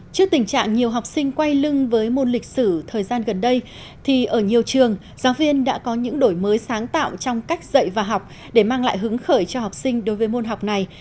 trước tình trạng nhiều học sinh quay lưng với môn lịch sử thời gian gần đây thì ở nhiều trường giáo viên đã có những đổi mới sáng tạo trong cách dạy và học để mang lại hứng khởi cho học sinh đối với môn học này